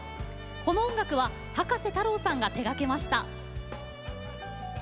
この音楽は葉加瀬太郎さんが手がけました。